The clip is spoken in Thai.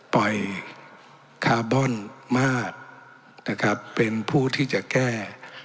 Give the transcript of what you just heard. ปล่อยคาร์บอนมาดเป็นผู้ที่จะแก้